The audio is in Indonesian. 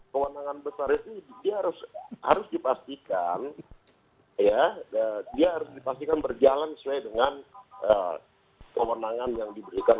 kewenangan besar itu harus dipastikan berjalan sesuai dengan kewenangan yang diberikan